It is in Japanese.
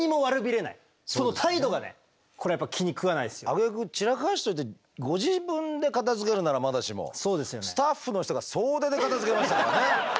あげく散らかしといてご自分で片づけるならまだしもスタッフの人が総出で片づけましたからね。